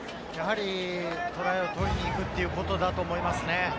トライを取りに行くということだと思いますね。